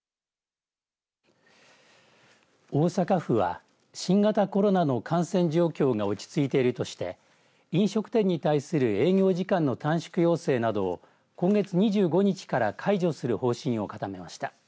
大阪府は新型コロナの感染状況が落ち着いているとして飲食店に対する営業時間の短縮要請などを今月２５日から解除する方針を固めました。